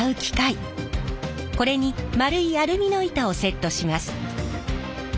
これに円いアルミの板をセットします。